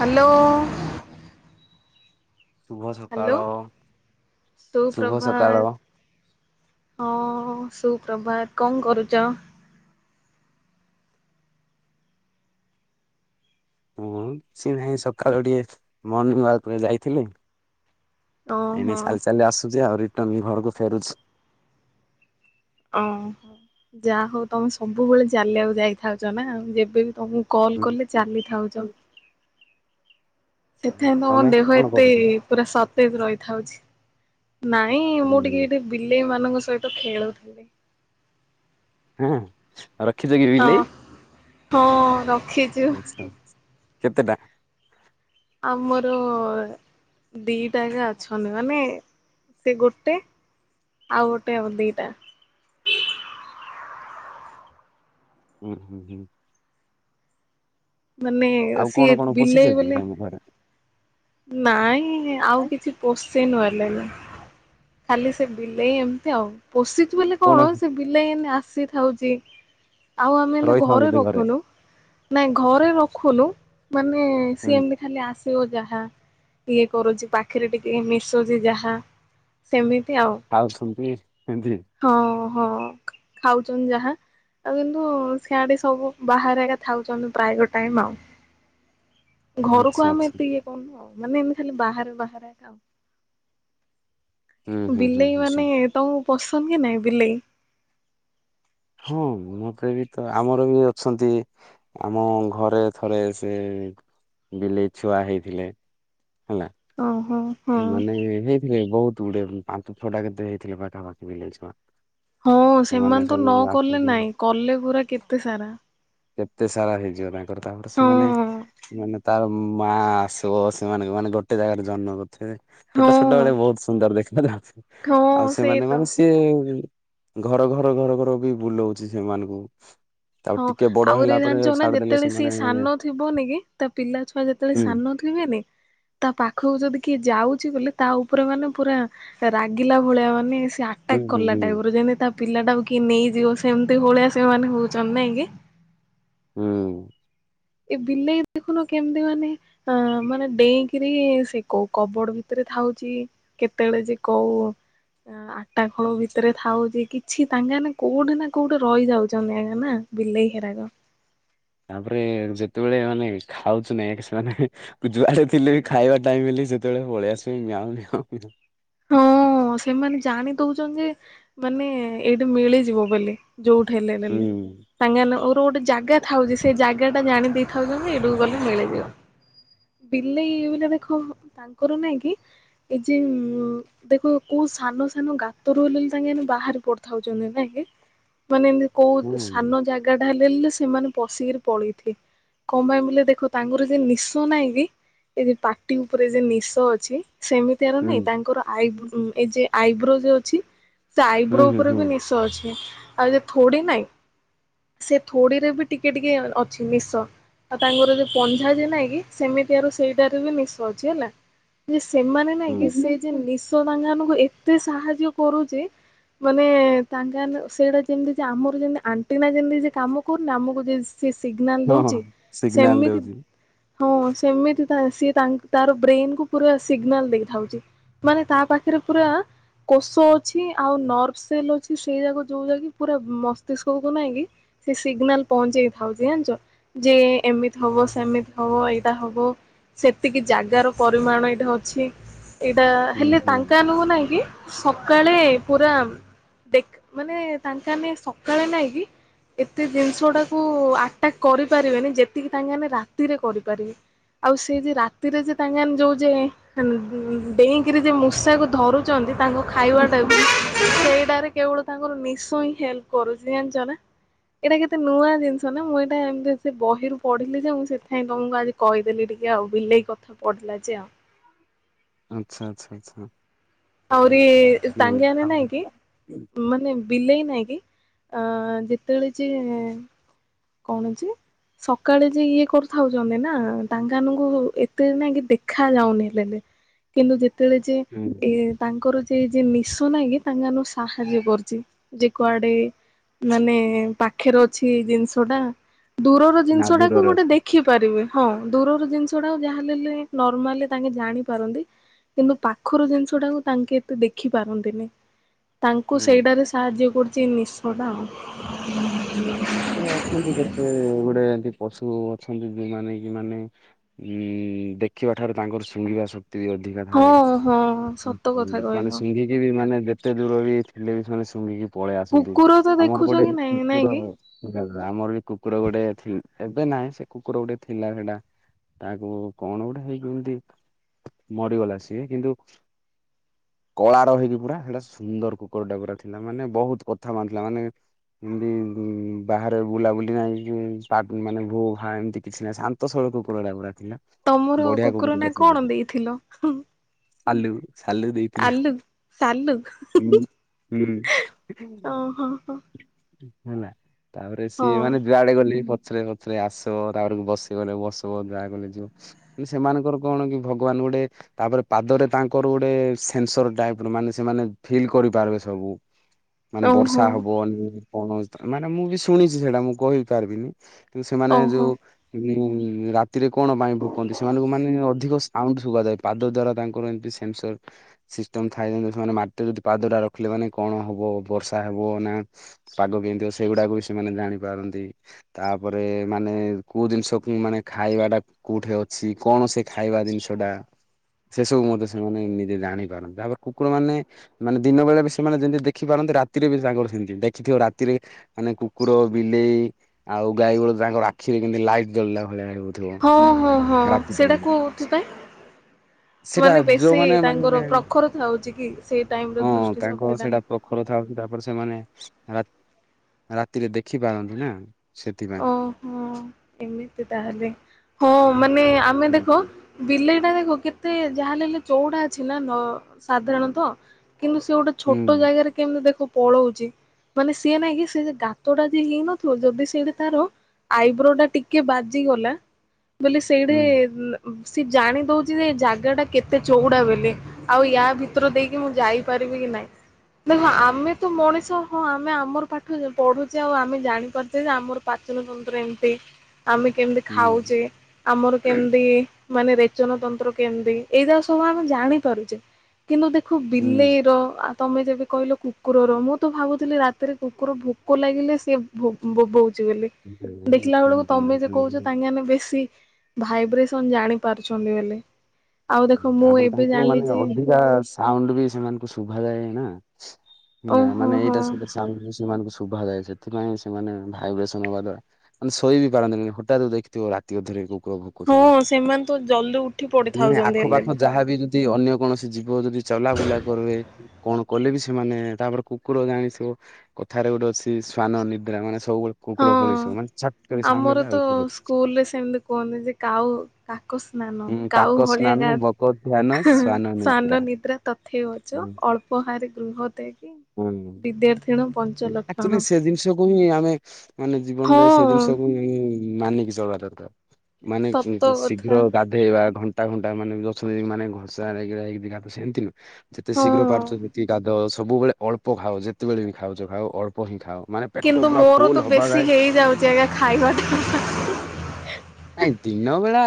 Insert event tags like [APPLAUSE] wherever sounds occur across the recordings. Hello. ଶୁଭ ସକାଳ hello, ଶୁଭ ସକାଳ ସୁପ୍ରଭାତ୍। ହଁ ସୁପ୍ରଭାତ। କଣ କରୁଚ? ମୁଁ କିଛି ନାହିଁ ସକାଳୁ ଟିକେ ମର୍ଣିଂ ୱାକରେ ଯାଇଥିଲି। ଏଇନେ ଓହୋ ଚାଲି ଚାଲି ଆସୁଚି ଆଉ ରିଟର୍ଣ ଘରକୁ ଫେରୁଚି। ଓ ଯା ହଉ ତମେ ସବୁବେଳେ ଚାଲିବାକୁ ଯାଇଥାଉଚ ନା ଯେବେବି ତମକୁ କଲ୍ କଲେ ଚାଲିଥାଉଚ। ସେଥିପାଇଁ ତମ ତମେ ଦେହ କଣ ଏତେ କରୁଛ? ପୁରା ସତେଜ ରହିଥାଉଚି। ନାଇଁ ମୁଁ ଟିକେ ହୁଁ ଏଠି ବିଲେଇ ମାନଙ୍କ ସହିତ ଖେଳୁଥିଲି। ହୁଁ ରଖିଚ କି ହଁ ବିଲେଇ? ହଁ ରଖିଛୁ ଆଚ୍ଛା ଆଚ୍ଛା। କେତେଟା? ଆମର ଦିଟା ଏକା ଅଛନ୍ତି। ମାନେ ସେ ଗୋଟେ ଆଉ ଗୋଟେ ଆଉ ଦିଟା। ଉଁ ହୁଁ ହୁଁ। ମାନେ ଆଉ କଣ ସିଏ କଣ ପୋଷିଛ ବିଲେଇ କି ବୋଲି ତମ ଘରେ? ନାଇଁ ଆଉ କିଛି ପୋଷି ନୁ ହେଲେ। ଖାଲି ସେ ବିଲେଇ ଏମିତି ଆଉ। ପୋଷିଚୁ ବଲେ କଣ ସେ ବିଲେଇ ଏଇନେ ଆସିଥାଉଚି। ଆଉ ଆମେ ହେଲେ ରହିଥାନ୍ତି ଘରେ ତ ରଖୁନୁ। ନାଇଁ ଘରେ ରଖୁନୁ। ମାନେ ସିଏ ହୁଁ ଏମତି ଖାଲି ଆସିବ ଯାହା। ଇଏ କରୁଚି ପାଖରେ ଟିକେ ମିଶୁଚି ଯାହା ସେମିତି ଆଉ। ଖାଉଛନ୍ତି ଏମିତି। ହଁ ହଁ ଖାଉଛନ୍ତି ଯାହା। ଆଉ କିନ୍ତୁ ସିଆଡେ ସବୁ ବାହାରେ ଏକା ଥାଉଛନ୍ତି ପ୍ରାୟ ଟାଇମ ଆଉ। ଆଚ୍ଛା ଘରକୁ ଆମେ ଆଚ୍ଛା ଏତେ ଇଏ କରୁନୁ ଆଉ। ମାନେ ଏମିତି ଖାଲି ବାହାରେ ବାହାରେ ଏକା ଆଉ। ହୁଁ ହୁଁ ହୁଁ ବିଲେଇ ହୁଁ ହୁଁ। ମାନେ ତମକୁ ପସନ୍ଦ କି ନାଇଁ ବିଲେଇ? ହଁ ମତେ ବି ତ ଆମର ବି ଅଛନ୍ତି। ଆମ ଘରେ ଥରେ ସେ ବିଲେଇ ଛୁଆ ହେଇଥିଲେ ହେଲା। ଓହୋ। ହଁ ମାନେ ହେଇଥିଲେ ବହୁତ ଗୁଡେ ପାଞ୍ଚ ଛଅଟା କେତେ ହେଇଥିଲେ ପାଖାପାଖି ବିିଲେଇ ଛୁଆ। ହଁ ସେମାନେ ତ ସବୁ ନ କଲେ ଆସନ୍ତି ନାଇଁ। କଲେ ପୁରା କେତେ ସାରା। କେତେ ସାରା ହେଇଯିବ ତାଙ୍କର। ତାପରେ ହଁ ସେମାନେ ମାନେ ତାର ମା ଆସିବ ସେମାନଙ୍କୁ ମାନେ ଗୋଟେ ଜାଗାରେ ଜନ୍ମ ସେ ଛୋଟ ଛୋଟ ହଁ ବେଳେ ବହୁତ ସୁନ୍ଦର ଦେଖାଯାଆନ୍ତି। ହଁ ଆଉ ସେଇ ସେମାନେ ତ ମାନେ ସିଏ ଘର ଘର ଘର ଘର ବି ବୁଲଉଚି ସେମାନଙ୍କୁ। ତାପରେ ହଁ ଟିକେ ବଡ ଆହୁରି ହେଲା ପରେ ଜାଣିଚ ନା ଛାଡିଦେଲେ ଯେତେବେଳେ ସେମାନେ ସିଏ ସାନ ଥିବନି କି ତା ପିଲା ଛୁଆ ଯେତେବେଳେ ହୁଁ ସାନ ଥିବେନି ତା ପାଖକୁ ଯଦି କିଏ ଯାଉଛି ବୋଲେ ତା ଉପରେ ମାନେ ପୁରା ରାଗିଲା ଭଳିଆ ମାନେ ସେ ଟା ହୁଁ ହୁଁ କଲା ହୁଁ। ଟାଇପ ରୁ ଯେମତି ତା ପିଲା ଟାକୁ କିଏ ନେଇଯିବ ସେମିତି ଭଳିଆ ସେମାନେ ହଉଛନ୍ତି ନାଇଁ କି ହୁଁ। ଏ ବିଲେଇ ଦେଖୁନ କେମିତି ମାନେ ହ ମାନେ ଡେଇଁକିରି ସେ କୋଉ କବଡ ଭିତରେ ଥାଉଛି। କେତେବେଳେ ଯେ କୋଉ ଆଟାକ୍ ଭିତରେ ଥାଉଛି କିଛି ତାଙ୍କେମାନେ କୋଉଠି ନା କୋଉଠି ରହିଯାଉଛନ୍ତି ଆଜ୍ଞା ନା। ବିଲେଇ ହେରାକ। ତାପରେ ଯେତେବେଳେ ମାନେ ଖାଉଛୁ ନ ସେମାନେ ଯୁଡେ ଥିଲେ ବି ଖାଇବା ଟାଇମ ହେଲେ ସେତେବେଳେ ପଳେଇଆସିବେ ମୀଆଁଉ ମିଆଁଉ ହଁ ସେମାନେ ଜାଣି ଦଉଛନ୍ତି ଯେ ମାନେ ଏଇଠି ମିଳିଯିବ ବୋଲି। ଯୋଉଠି ହେଲେ ହୁଁ ନଲେ ତାଙ୍କେ ମାନେ ଯୋଉ ଗୋଟେ ଜାଗା ଥାଉଛି ସେ ଜାଗା ଟା ଜାଣି ଦେଇଥାଉଛନ୍ତି ଏଇଠୁ ଗଲେ ମିଳିଯିବ। ବିଲେଇ ବିଲା ଦେଖ ତାଙ୍କର ନାଇଁ କି ଏ ଯେ ଦେଖ କୋଉ ସାନ ସାନ ଗାତ ରୁ ହେଲେକି ତାଙ୍କେ ମାନେ ବାହାରି ପଡିଥାଉଛନ୍ତି ନାଇ କି? ମାନେ ଏମତି କୋଉ ହୁଁ ସାନ ଜାଗାଟା ହେଲେଲେ ସେମାନେ ପଶିକିରି ପଳେଇଥେ କଣ ପାଇଁ ବୋଲେ ଦେଖ ତାଙ୍କର ଯୁ ନିଶ ନାଇଁ କି ଏ ଯ ପାଟି ଉପରେ ଯୁ ନିଶ ଅଛି ସେମିତିଆର ନାଇଁ ହୁଁ। ତାଙ୍କର ଆଇବ୍ରୋ ଏ ଯେ ଆଇବ୍ରୋ ଯ ଅଛି ସେ ହୁଁ ଆଇବ୍ରୋ ହୁଁ ଉପରେ ହୁଁ ବି ନିଶ ଅଛି। ଆଉ ଯେ ଥୋଡି ନାଇଁ ସେ ଥୋଡି ରେ ବି ଟିକେ ଟିକେ ଅଛି ନିଶ। ଆଉ ତାଙ୍କର ଯୋଉ ପଞ୍ଝା ଯେ ନାଇଁ କି ସେମିତି ଆରୁ ସେଇଟାରେ ବି ନିଶ ଅଛି ହେଲା। ଯେ ସେମାନେ ନାଇଁକି ହୁଁ ସେ ଯେ ନିଶ ତାଙ୍କ ମାନଙ୍କୁ ଏତେ ସାହାଯ୍ୟ କରୁଛି ମାନେ ତାଙ୍କମାନେ ସେଇଟା ଯେମିତି ଯେ ଆମର ଯେମତି ଆଣ୍ଟିନା ଯେମିତି କାମ କରୁନି ଆମକୁ ଯେ ସେ ସିଗନାଲ ହଁ ଦେଉଛି ହଁ ସିଗ୍ନାଲ ସେମିତି ଦଉଛି ହଁ ସେମିତି ସିଏ ତା ତାର ବ୍ରେନକୁୁ ପୁରା ସିଗ୍ନାଲ ଦେଇଥାଉଛି। ମାନେ ତା ପାଖରେ ପୁରା କୋଷ ଅଛି ଆଉ ନର୍ଭ ସେଲ ଅଛି ସେଇ ଯାକ ଯୋଉ ଯାକି ପୁରା ମସ୍ତିଷ୍କକୁ ନାଇଁକି ସେ ସିଗ୍ନାଲ ପହଞ୍ଚେଇ ଥାଉଛି ଜାଣିଛ। ଯେ ଏମିତି ହବ ସେମିତି ହବ ଏଇଟା ହବ ସେତିକି ଜାଗାର ପରିମାଣ ଏଇଟା ଅଛି। ଏଇଟା ହୁଁ ହେଲେ ହୁଁ। ତାଙ୍କାଆନକୁ ନାଇଁ କି ସକାଳେ ପୁରା ଦେଖ ମାନେ ତାଙ୍କାନେ ସକାଳେ ନାଇଁ କି ଏତେ ଜିନିଷଟାକୁ ଆଟାକ୍ କରିପାରିବେନି ଯେତିକି ତାଙ୍କେମାନେ ରାତିରେ କରିପାରିବେ। ଆଉ ସେ ଯେ ରାତିରେ ଯେ ତାଙ୍କାମାନେ ଯୋଉ ଯେ ଡେଇଁ କିରି ଯେ ମୂଷାକୁ ଧରୁଛନ୍ତି ତାଙ୍କ ଖାଇବାଟା ବି ସେଇଟାରେ କେବଳ ତାଙ୍କର ନିଶ ହିଁ ହେଲ୍ପ କରୁଛି ଜାଣିଛ ନା। ଏଇଟା କେତେ ନୂଆ ଜିନିଷ ନା ମୁଁ ଏଇଟା ଏମିତି ସେ ବହିରୁ ପଢିଲି ଯେ ମୁଁ ସେଥିଇଁ ତମକୁ ଆଜି କହିଦେଲି ଟିକେ ଆଉ ବିଲେଇ କଥା ପଢିଥିଲା ଯେ ଆଉ ଆଚ୍ଛା ଆଚ୍ଛା ଆଚ୍ଛା। ଆହୁରି ହୁଁ ତାଙ୍କେ ମାନେ ନାଈକି ମାନେ ବିଲେଇ ନାହିଁ କି ଯେତେବେଳେ ଯେ କଣ ଅଛି? ସକାଳେ ଯେ ଇଏ କରୁଥାଉଛନ୍ତି ନା ତାଙ୍କାନଙ୍କୁ ଏତେ ନ କି ଦେଖା ଯାଉନି ହେ କିନ୍ତୁ ଯେତେବେଳେ ଯେ ହୁଁ ଏ ତାଙ୍କର ଯେ ଯେ ନିଶ ନଇକି ତାଙ୍କାନ ସାହାଯ୍ୟ କରୁଛି ଯେ କୁଆଡେ ମାନେ ପାଖରେ ଅଛି ଜିନିଷଟା ଦୂରର ନା ଜିନିଷଟାକୁ ଦୂରରେ ଗୋଟେ ଅଛି ଦେଖିବା କରିବେ। ହଁ ଦୂର ଜିନିଷଟା ଯାହାହେଲେ ନୋରର୍ମାଲି ତାଙ୍କେ ଜାଣି ପାରନ୍ତି। କିନ୍ତୁ ପାଖର ଜିନିଷଟାକୁ ତାଙ୍କେ ଏତେ ଦେଖି ପାରନ୍ତିନି। ତାଙ୍କୁ ହୁଁ। ସେଇଟାରେ ସାହାଯ୍ୟ କରୁଛି ନିଶଟା ଆଉ। ଏ କେତେ ଗୋଡେ ଏମି ପଶୁ ଅଛନ୍ତି ଯୋଉମାନେ କି ମାନେ ଉଁ ଦେଖିବା ଠାରୁ ତାଙ୍କର ଶୁଣିବା ଶ ଅଧିକା ଥାଏ ହଁ- ହଁ ସତ କଥା ସେମାନେ କହିଲୁ। [UNINTELLIGIBLE] ମାନେ ଯେତେ ଦୂର ବି ଥିଲେ ବି ସେମାନେ ଶୁଙ୍ଘିକି ପଳେଇ ଆସନ୍ତୁ। କୁକୁର ତ ଆମର ଦେଖୁଛ ଗୋଟେ କି ନାଇଁ ନାଇଁ କୁକୁର କି [UNINTELLIGIBLE] ଆମର ବି କୁକୁର ଗୋଟେ ଅଛି, ଏବେ ନାହିଁ ସେ କୁକୁର ଗୋଟେ ଥିଲା ସେଇଟା। ତାକୁ କଣ ଗୋଟେ ହେଇକି ଏମତି, ମରିଗଲା ସିଏ। କିନ୍ତୁ କଳାର ହେଇକି ପୁରା ସେଟା ସୁନ୍ଦର କୁକୁରଟା ପୁରା ଥିଲା, ମାନେ ବହୁତ କଥା ମାନୁଥିଲା ମାନେ ଏମିତି ବାହାରେ ବୁଲାବୁଲି ନାହିଁ, [UNINTELLIGIBLE] ମାନେ ଭୋ ଭା ଏମିତି କିଛି ନାହିଁ। ଶା ନ୍ତ ସରଳ କୁକୁରଟା ପୁରା ଥିଲା। ତମର ବଢିଆ କୁକୁର ନାଁ କୁକୁରଟା କଣ ଦେଇଥିଲ? ଆଲୁ ସାଲୁ ଦେଇଥିଲି ଆଲୁ ସାଲୁ ହଁ। ହୁଁ। ଓହୋ ହୋ ହେଲା, ତାପରେ ହଁ ସିଏ ମାନେ ଯୁଆଡେ ଗଲେ ପଛରେ ସେ [UNINTELLIGIBLE] ଆସିବ ତାପରେ ବସ କହିଲେ ବସିବ, ଯାଆ କହିଲେ ଯିବ। କିନ୍ତୁ ସେମାନଙ୍କର କଣ କି ଭଗବାନ ଗୋଟେ ତାପରେ ପାଦରେ ତାଙ୍କର ଗୋଟେ ସେନ୍ସର ଟାଇପର, ମାନେ ସେମାନେ ଫିଲ୍ କରିପାରିବେ ସବୁ। ମାନେ ବର୍ଷା ଓହୋ ହବନ କଣ, ମାନେ ମୁଁ ବି ଶୁଣିଛି ସେଇଟା ମୁଁ କହି ପାରିବିନି। କିନ୍ତୁ ସେମାନେ ଓହୋ ଯୋଉ ରାତିରେ କଣ ପାଇଁ ଭୋକନ୍ତି, ସେମାନଙ୍କୁ ମାନେ ଅଧିକ ସାଉଣ୍ଡ ଶୁଗାଯାଏ, ପାଦ ଦ୍ଵାରା ତାଙ୍କର ଏମତି ସେସର ସିଷ୍ଟମ ଥାଏ, ଯେମିତି ସେମାନେ ମାଟିରେ ଯଦି ପାଦଟା ରଖିଲେ ମାନେ କଣ ହବ ବର୍ଷା ହବ ନା ପାଗ କେମିତି ହବ, ସେଇଗୁଡାକୁ ବି ସେମାନେ ଜାଣିପାରନ୍ତି। ତାପରେ ମାନେ କେଉଁ ଜିନିଷକୁ ମାନେ ଖାଇବାଟା କୋଉଠି ଅଛି? କଣ ସେ ଖାଇବା ଜିନିଷଟା, ସେ ସବୁ ମଧ୍ୟ ସେମାନେ ନିଜେ ଜାଣି ପାରନ୍ତି, ତାପରେ କୁକୁର ମାନେ ମାନେ ଦିନ ବେଳେ ବି ସେମାନେ ଯେମିତି ଦେଖିପାରନ୍ତି, ରାତିରେ ବି ତାଙ୍କର ସେମିତି। ଦେଖିଥିବ ରାତିରେ ମାନେ କୁକୁର, ବିଲେଇ ଆଉ ଗାଈ ବଳଦ ତାଙ୍କର ଆଖିରେ କେମିତି ଲାଇଟ୍ ଜଳିଲା ଭଳିଆ ହଁ- ହଁ- ହଁ ରାତି ସେଇଟା ଟାଇମ୍ ରେ। କୋଉଥିପାଇଁ? ସେଟା ମାନେ ସେ ଯୋଉମାନେ ମାନେ ତାଙ୍କର ପ୍ରଖର ଥାଉଛି କି, ସେଇ ଟାଇମ୍ ହଁ ରେ ଦୃଷ୍ଟି ତାଙ୍କ ଶକ୍ତିଟା। ସେଇଟା ପ୍ରଖର ଥାଉଛି, ତାପରେ ସେମାନେ ରାତିରେ ଦେଖି ପାରନ୍ତି ନା। ସେଥିପାଇଁ। ଓ ହୋ। ଏମିତି ତାହେଲେ ହଁ ମାନେ ଆମେ ଦେଖ ହୁଁ ବିଲେଇ ଟା ଦେଖ କେତେ ଯାହା ହେଲେ ହେଲେ ଚଉଡ଼ା ଅଛି ନା ନ ସାଧାରଣତ। କିନ୍ତୁ ସେ ଗୋଟେ ଛୋଟ ହୁଁ ଜାଗାରେ କେମିତି ଦେଖ ପଳଉଛି,, ମାନେ ସିଏ ନାଇଁ କି ସେ ଗାତଟା ଯିଏ ହେଇନଥିବ ଯଦି ସେଇଠି ତାର ଆଇବ୍ରୋ ଟା ଟିକେ ବାଜିଗଲା ବୋଲି ସେଇଟି ହୁଁ ସେ ଜାଣି ଦଉଛି ଯେ ଏ ଜାଗାଟା କେତେ ଚଉଡା ବେଲି। ଆଉ ୟା ଭିତରୁ ଦେଇକି ମୁଁ ଯାଇପାରିବି କି ନାଇଁ। ଦେଖ ଆମେ ତ ମଣିଷ ହଁ ଆମେ ଆମର ପାଠ ପଢୁଛେ ଆଉ ଆମେ ଜାଣିପାରୁଛେ, ଯେ ଆମର ପାଚନ ତନ୍ତ୍ର ଏମତି, ଆମେ କେମିତି ଖାଉଛେ? ଆମର କେମିତି ମାନେ ରେଚନ ତନ୍ତ୍ର କେମିତି, ଏଇଟା ସବୁ ଆମେ ଜାଣି ପାରୁଚେ। କିନ୍ତୁ ଦେଖ ହୁଁ ବିଲେଇର ତମେ ଯେବେ କହିଲ କୁକୁରର, ମୁଁ ତ ଭାବୁଥିଲି ରାତିରେ କୁକୁର ଭୋକ ଲାଗିଲେ ସେ ଭୋ ବୋବୋଉ ଚି ବୋଲି, ଦେଖିଲା ବେଳକୁ ତମେ ଯେ କହୁଛ ହୁଁ। ତାଙ୍କମାନଙ୍କୁ ବେଶୀ ଭାଇବ୍ରେସନ ଜାଣି ପାରୁଛନ୍ତି ବେଲି। ତାପରେ ତାଙ୍କୁ ମାନେ ଅଧିକା ସାଉଣ୍ଡ ବି ସେମାନଙ୍କୁ ଶୁଭାଯାଏ ନା। ନାଇଁ ଓହୋ ମାନେ ହଁ ଏଇଟା ସେ ସାଉଣ୍ଡ ସେମାନଙ୍କୁ ଶୁଭାଯାଏ, ସେଥିପାଇଁ ସେମାନେ ଭାଇବ୍ରେସନ ହବା ଦ୍ୱା ମାନେ ଶୋଇ ବି ପାରନ୍ତିନି। ହଠାତ୍ ଦେଖିଥିବ ରାତି ଅଧରେ କୁକୁର ଭୁ ହଁ ସେମାନେ ତ ଜଲ୍ଦି ଉଠି ପଡିଥାଉଛନ୍ତି ହେଲେ ବି। ଯାହା ବି ଯଦି ଅନ୍ୟ କୌଣସି ଜୀବ ଯଦି ଚଲାବୁଲା କରିବେ କଣ କଲେ ବି ସେମାନେ, ତାପରେ କୁକୁର ଜାଣିଥିବ। କଥାରେ ଗୋଟେ ଅଛି ଶ୍ଵାନ ନିଦ୍ରା, ମାନେ ସବୁବେ ହଁ। ଆମର ତ ଉଠିପଡେ। ସ୍କୁଲ ରେ ସେମିତି କୁହନ୍ତି, ଯେ କାଉ କାକ ସ୍ନାନ ହୁଁ କାଉ କାକ ଭଳିଆ ସ୍ନାନ ଗା ବକ ଧ୍ୟାନ ହେ-ହେ ଶ୍ଵାନ ସ୍ୱାନ ନିଦ୍ରା ତଥେଇ ବଚ ହୁଁ। ଅଳ୍ପ ଉପହାର ଗୃହ ଦେଇକି ହୁଁ। ବିଦ୍ୟାର୍ଥୀଣ ପଞ୍ଚ ଆକ୍ଚୁଆଲି ଲକ୍ଷଣ। ସେ ଜିନିଷକୁ ହିଁ ଆମେ ମାନେ ହଁ ଜୀବନରେ ସେ ଜିନିଷକୁ ହ ମାନିକି ଚଳବା ଦରକାର। ମାନେ ସତ ଶୀଘ୍ର କଥା ଗା ଗାଧେଇବା ଘଣ୍ଟା ଘଣ୍ଟା ମାନେ ଅଛନ୍ତି। ମାନେ ଘଷାିଘା ତ ସେମିତି ଯେତେ ଶୀଘ୍ର ପାରୁଛ ହଁ। ଯେତିକି ଗାଦଅ। ସବୁବେଳେ ଅଳ୍ପ ଖାଉ ଯେତେବେଳେ ହିଁ ଖାଉଛ ଖାଉ ଅଳ୍ପ ହିଁ ଖାଉ। ମାନେ ପେଟ କିନ୍ତୁ ପୁରା ମୋର ଫୁଲ ତ ହବା ବେଶୀ ଯାଏ ହେଇଯାଉଛି ଆଜ୍ଞା ଖାଇବା ଟା। ନାଇଁ ଦିନ ବେଳା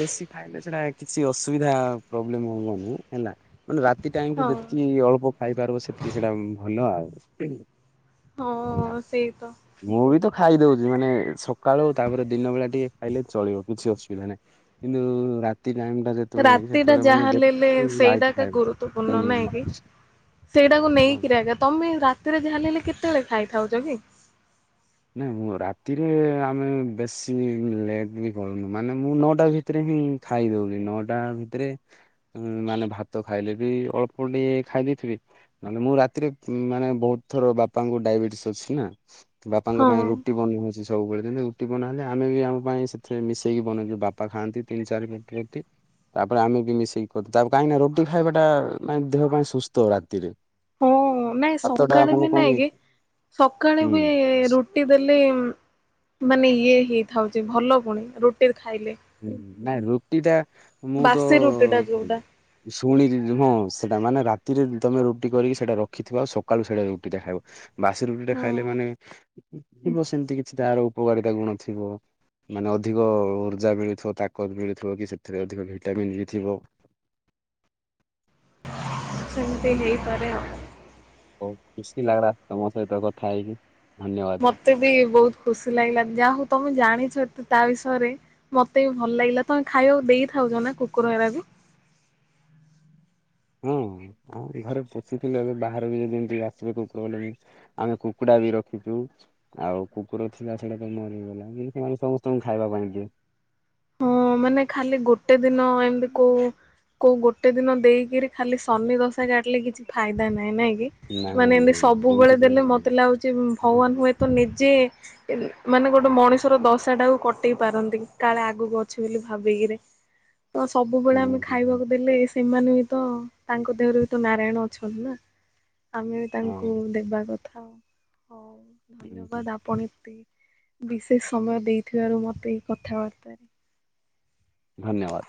ବେଶୀ ଖାଇଲେ ସେଟା କିଛି ଅସୁବିଧା ପ୍ରୋବ୍ଲେମ ହବନି। ହେଲା ମାନେ ରାତି ଟାଇମ କୁ ହଁ। ଯେତିକି ଅଳ୍ପ ଖାଇପାରିବ ସେତିକି ସେଇଟା ଭଲ ଆଉ। ହେଲା। ହଁ ସେଇ ତ। ମୁଁ ବି ତ ଖାଇଦଉଛି ମାନେ ସକାଳୁ ତାପରେ ଦିନ ବେଳେ ଟିକେ ଖାଇଲେ ଚଳିବ କିଛି ଅସୁବିଧା ନାହିଁ। କିନ୍ତୁ ରାତି ଟାଇମ ଟା ଜେ ରାତି ଟା ଯାହା ହେଲେ ସେଇଟାକା ଖାଇବ। ଗୁରୁତ୍ୱପୂର୍ଣ୍ଣ ନାଇଁ କି? ସେଇଟାକୁ ହଁ ନେଇକିରି ଆଜ୍ଞା। ତମେ ରାତିରେ ଜାଲ ହେଲେ କେତେବେଳେ ଖାଇଥାଉଛ କି? ନାଇଁ ମୁଁ ରାତିରେ ଆମେ ବେଶୀ ଲେଟ୍ ବି କରୁନୁ। ମାନେ ମୁଁ ନଅଟା ଭିତ ଭିତରେ ହିଁ ଖାଇଦଉଛି ନଅଟା ଭିତରେ। ମାନେ ଭାତ ଖାଇଲେ ବି ଅଳ୍ପ ଟେ ଖାଇ ଦେଇେଇଥିବି। ନହଲେ ମୁଁ ରାତିରେ ମାନେ ବହୁତ ଥର ବାପାଙ୍କୁ ଡାଇବେଟିସ୍ ଅଛି ନା। ତାଙ୍କ ହଁ ପାଇଁ ରୁଟି ବନି ହଉଛି। ସବୁବେଳେ ଯେମିତି ରୁଟି ବନ ହେେଲେ ଆମେ ବି ଆମ ପାଇଁ ସେଥି ମିଶେଇକି ବନଉଛୁ ବାପା ଖାଆନ୍ତି ତିନି ଚାରି ପଟି ରଟି। ତାପରେ ଆମେ ବି ମିଶେଇକି ତାରେ କାହିଁକି ନା ରୋଟି ଖାଇବାଟା ମ ଦେହ ପାଇଁ ସୁସ୍ଥ ରାତିରେ। ହଁ ନାଇଁ ଭାତଟା ସକାଳେ ମାନେ ବି କଣ ନାଇଁ କି ସକାଳେ ହୁଁ ବି ରୁଟି ଦେଲେ ମାନେ ଇଏ ହେଇଥାଉଛି, ଭଲ ପୁଣି ରୁଟିରେ ଖାଇଲେ। ନା ରୁଟି ଟା ମୁଁ ତ ବାସି ରୁଟି ଟା ଯୋଉଟା। ଶୁଣି ହଁ ସେଟା ମାନେ ରାତିରେ ତମେ ରୁଟି କରିକି ସେଇଟା ରଖିଥିବ ଆଉ ସକାଳୁ ସେଟା ରୁଟି ଟା ଖାଇବ। ବାସି ରୁଟି ଟା ଖାଇଲେ ହଁ ମାନେ ଥିବ ସେମତି କିଛି ତାର ଉପକାରିତା ଗୁଣ ଥିବ ମାନେ ଅଧିକ ଜା ମିଳଥିବ ତାକତ ମିଳୁଥିବ କି ସେଥିରେ ଅଧିକ ଭିଟାମିନ୍ ଥିବ ସେମିତି ହେଇପାରେ ଆଉ। ହ ଖୁସି ଲାଗିଲା ତମ ସହିତ କଥା ହେଇକି ଧନ୍ୟବାଦ। ମତେ ବି ବହୁତ ଖୁସି ଲାଗିଲା। ଯାହା ହଉ ତମେ ଜାଣିଛ ଏତେ ତା ବିଷୟରେ। ମତେ ବି ଭଲ ଲାଗିଲା। ତମେ ଖାଇବାକୁ ଦେଇଥାଉଛ ନା କୁକୁର ଏରାକୁ। ହଁ ହଁ ଘରେ ପୋଷିଥିଲେ ଏବେ ବାହାରେ ବି ଯଦି ଏମତି ଆସିଵେ ପ୍ରବ୍ଲେ ଆମେ କୁକୁଡ଼ା ବି ରଖିଛୁ। ଆଉ କୁକୁର ଥିଲା ସେଟା ତ ମରିଗଲା କିତି ସେମାନେ ସମସ୍ତଙ୍କୁ ଖାଇବା ପାଇଁ ଦିଏ। ହଁ ମାନେ ଖାଲି ଗୋଟେ ଦିନ ଏମିତି କୋଉ କୋଉ ଗୋଟେ ଦିନ ଦେଇକିରି ଖାଲି ଶନି ଦଶା କାଟିଲେ କିଛି ଫାଇଦା ନାହିଁ ନାଇଁ କି। ନାଇଁ ମାନେ ଏମିତି ନାଇଁ ସେମିତି ସବୁବେଳେ କହିଲେ ଦେଲେ ହୁଁ ମତେ ଲାଗୁଛି ହୁଁ ଭଗବାନ ହୁଏତ ନିଜେ ମାନେ ଗୋଟେ ମଣିଷର ଦଶା ଟାକୁ କଟେଇ ପାରନ୍ତି। କାଳେ ଆଗକୁ ଅଛି ବୋଲି ଭାବିକିରେ ତ ସବୁବେଳେ ହୁଁ ଆମେ ଖାଇବାକୁ ଦେଲେ। ସେମାନେ ବି ତ ତାଙ୍କ ଦେହରେ ବି ତ ନାରାୟଣ ଅଛନ୍ତି ନା। ଆମେ ହଁ ତାଙ୍କୁ ଦେବା କଥା। ହଉ ହୁଁ ହୁଁ ଧନ୍ୟବାଦ ଆପଣ ଏତେ। ବିଶେଷ ସମୟ ଦେଇଥିବାରୁ ମତେ ଏଇ କଥାବାର୍ତ୍ତାରେ। ଧନ୍ୟବାଦ।